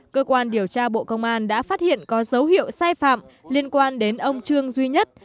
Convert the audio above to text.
cơ quan điều tra bộ công an đã phát hiện có dấu hiệu sai phạm liên quan đến ông trương duy nhất